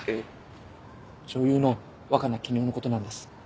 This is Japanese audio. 女優の若菜絹代のことなんです。